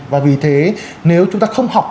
và vì thế nếu chúng ta không học